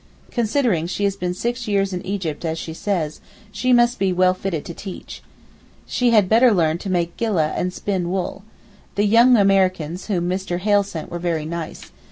Considering she has been six years in Egypt as she says, she must be well fitted to teach. She had better learn to make gilleh and spin wool. The young Americans whom Mr. Hale sent were very nice.